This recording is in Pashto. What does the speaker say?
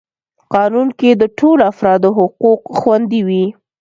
قانون کي د ټولو افرادو حقوق خوندي وي.